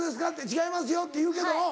「違いますよ」って言うてたおう。